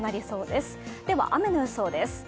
では雨の予想です。